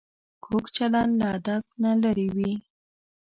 کوږ چلند له ادب نه لرې وي